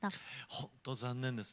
本当に残念です。